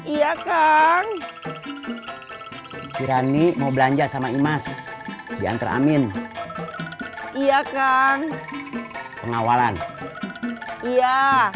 iya kang kirani mau belanja sama imas yang teramin iya kang pengawalan iya